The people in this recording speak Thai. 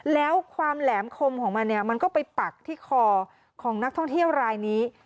แล้วความแหลมคมของมันเนี่ยมันก็ไปปักที่คอของนักท่องเที่ยวรายนี้